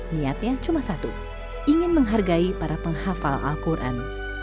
niatnya cuma satu ingin menghargai para penghafal al quran